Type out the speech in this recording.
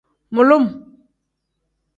Mulum.